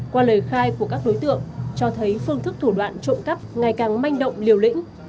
qua lời khai của các đối tượng cho thấy phương thức thủ đoạn trộm cắp ngày càng manh động liều lĩnh